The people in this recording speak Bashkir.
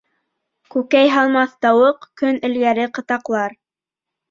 Күкәй һалмаҫ тауыҡ көн элгәре ҡытаҡлар.